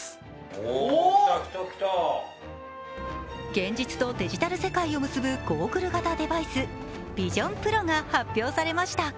現実とデジタル世界を結ぶゴーグル型デバイスＶｉｓｉｏｎＰｒｏが発表されました。